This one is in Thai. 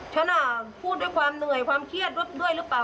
ฉันพูดด้วยความเหนื่อยความเครียดด้วยหรือเปล่า